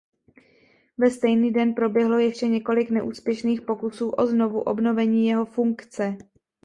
Ve stejný den proběhlo ještě několik neúspěšných pokusů o znovuobnovení jeho funkce.